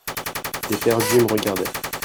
Des paires d'yeux me regardaient.